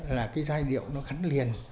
là cái giai điệu nó gắn liền